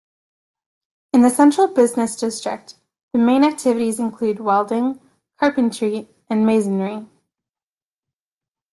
In the central business district, the main activities include welding, carpentry and masonry.